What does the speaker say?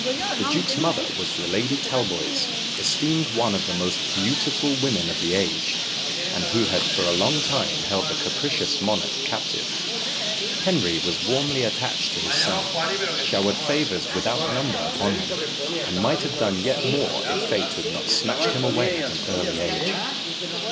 The duke's mother was the Lady Talboys, esteemed one of the most beautiful women of the age, and who had for a long time held the capricious monarch captive. Henry was warmly attached to his son, showered favours without number upon him, and might have done yet more if fate had not snatched him away at an early age.